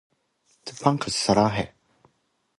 또 한 가지 사람의 천재라 하는 것도